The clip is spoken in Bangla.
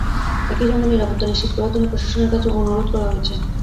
একই সঙ্গে নিরাপত্তা নিশ্চিত করার জন্য প্রশাসনের কাছে অনুরোধ করা হয়েছে।